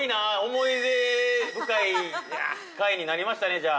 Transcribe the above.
思い出深い回になりましたね、じゃあ。